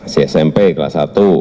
si smp kelas satu